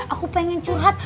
aku pengen curhat